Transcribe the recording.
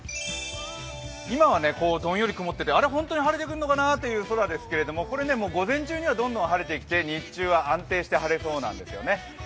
今はどんより曇っていて、本当に晴れてくるのかなという空ですけれどもこれ午前中にはどんどん晴れてきて日中は安定して晴れそうなんですよね。